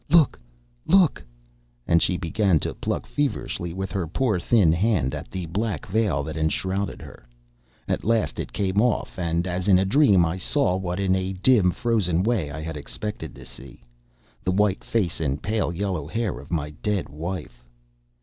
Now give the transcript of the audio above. Look, look," and she began to pluck feverishly with her poor thin hand at the black veil that enshrouded her. At last it came off, and, as in a dream, I saw what in a dim frozen way I had expected to see—the white face and pale yellow hair of my dead wife.